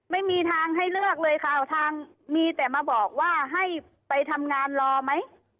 ไม่มีทางให้เลือกเลยค่ะทางมีแต่มาบอกว่าให้ไปทำงานรอไหม